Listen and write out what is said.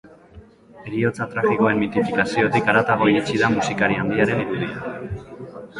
Heriotza tragikoen mitifikaziotik haratago iritsi da musikari handiaren irudia.